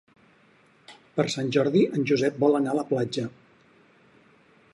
Per Sant Jordi en Josep vol anar a la platja.